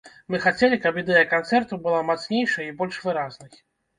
Мы хацелі, каб ідэя канцэрту была мацнейшай і больш выразнай.